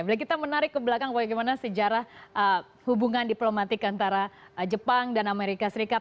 bila kita menarik ke belakang bagaimana sejarah hubungan diplomatik antara jepang dan amerika serikat